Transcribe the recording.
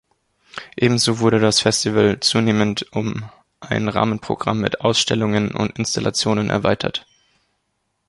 Ebenso wurde das Festival zunehmend um ein Rahmenprogramm mit Ausstellungen und Installationen erweitert.